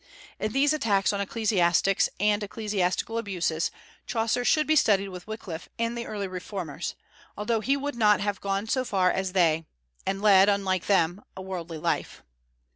In these attacks on ecclesiastics and ecclesiastical abuses, Chaucer should be studied with Wyclif and the early reformers, although he would not have gone so far as they, and led, unlike them, a worldly life.